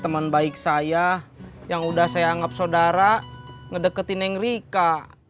teman baik saya yang udah saya anggap saudara ngedeketin yang rika